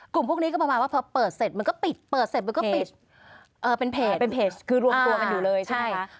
กลุ่มพวกนี้ก็ประมาณว่าพอเปิดเสร็จ